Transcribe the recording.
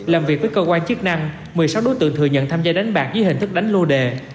làm việc với cơ quan chức năng một mươi sáu đối tượng thừa nhận tham gia đánh bạc dưới hình thức đánh lô đề